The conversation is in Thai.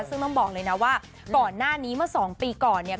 ซึ่งต้องบอกเลยนะว่าก่อนหน้านี้เมื่อ๒ปีก่อนเนี่ย